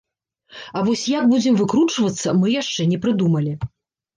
А вось як будзем выкручвацца, мы яшчэ не прыдумалі.